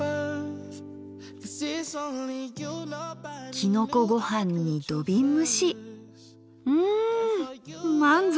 きのこごはんに土瓶蒸しうん満足。